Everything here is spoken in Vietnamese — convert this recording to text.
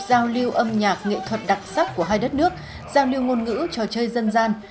giao lưu âm nhạc nghệ thuật đặc sắc của hai đất nước giao lưu ngôn ngữ trò chơi dân gian